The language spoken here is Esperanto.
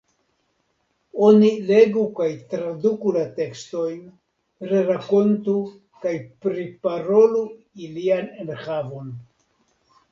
Oni legu kaj traduku la tekstojn, rerakontu kaj priparolu ilian enhavon.